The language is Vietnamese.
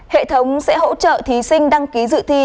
hệ thống sẽ hỗ trợ thí sinh đăng ký dự thi